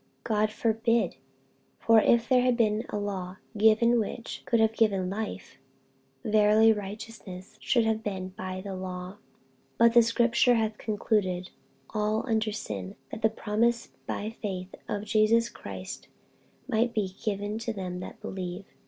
God forbid: for if there had been a law given which could have given life, verily righteousness should have been by the law. 48:003:022 But the scripture hath concluded all under sin, that the promise by faith of Jesus Christ might be given to them that believe.